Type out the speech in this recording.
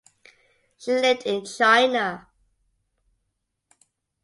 She lived in China.